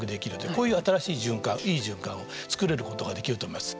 こういう新しい循環いい循環を作れることができると思います。